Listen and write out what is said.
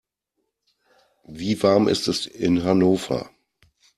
Wie warm ist es in Hannover?